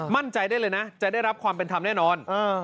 มั่นใจได้เลยนะจะได้รับความเป็นธรรมแน่นอน